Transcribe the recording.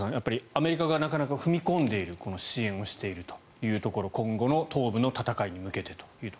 アメリカがなかなか踏み込んでいる支援をしているというところ今後の東部の戦いに向けてと。